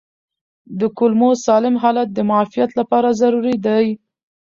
د کولمو سالم حالت د معافیت لپاره ضروري دی.